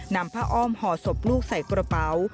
นำผ้าอ้อมห่อศพลูกใส่กระเป๋า